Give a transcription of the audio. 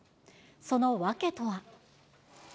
その訳とは。